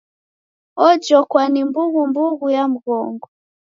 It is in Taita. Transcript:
Ojokwa ni mbughumbughu ya mghongo.